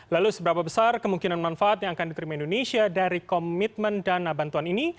lalu seberapa besar kemungkinan manfaat yang akan diterima indonesia dari komitmen dana bantuan ini